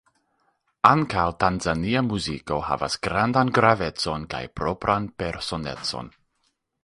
Ankaŭ Tanzania muziko havas grandan gravecon kaj propran personecon.